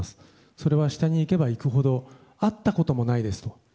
それは下に行けば行くほど会ったこともないですと。